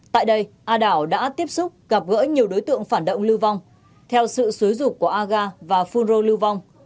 tại đây a đảo đã tiếp xúc gặp gỡ nhiều đối tượng phản động lưu vong theo sự xúi dục của aga và funro lưu vong